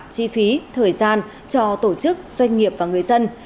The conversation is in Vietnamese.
chi phí thời gian cho tổ chức doanh nghiệp và người dân